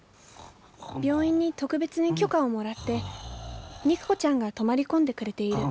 病院に特別に許可をもらって肉子ちゃんが泊まり込んでくれている。